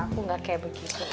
aku gak kayak begitu